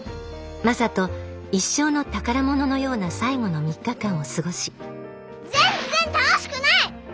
マサと一生の宝物のような最後の３日間を過ごし全然楽しくない！